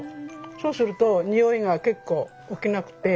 そうするとにおいが結構起きなくて。